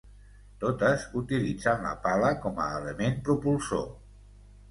Totes utilitzen la pala com a element propulsor.